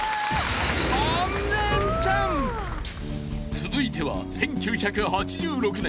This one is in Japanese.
［続いては１９８６年